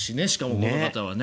この方は。